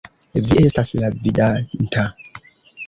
Vi estas la Vidanta!